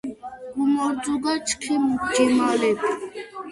გუმორძგუა! ჩქიმ ჯიმალეფ